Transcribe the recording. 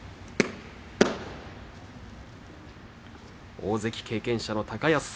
大関経験者の高安戦。